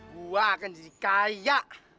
gua akan jadi kaya